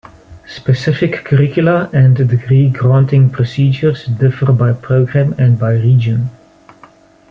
Specific curricula and degree-granting procedures differ by program and by region.